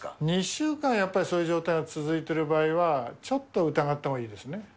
２週間、やっぱりそういう状態が続いている場合は、ちょっと疑ったほうがいいですね。